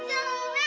ini air ya